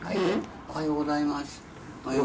おはようございます。